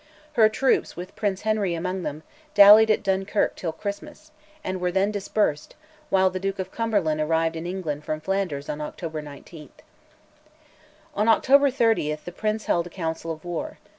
Her troops, with Prince Henry among them, dallied at Dunkirk till Christmas, and were then dispersed, while the Duke of Cumberland arrived in England from Flanders on October 19. On October 30 the Prince held a council of war.